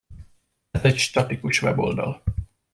Ez egy statikus weboldal.